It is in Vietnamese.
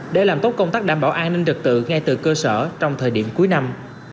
để làm tốt công tác đảm bảo an ninh trật tự ngay từ cơ sở trong thời điểm cuối năm